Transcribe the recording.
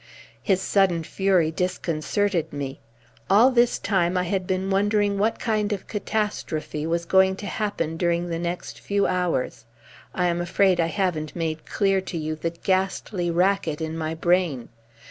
His sudden fury disconcerted me. All this time I had been wondering what kind of catastrophe was going to happen during the next few hours. I am afraid I haven't made clear to you the ghastly racket in my brain.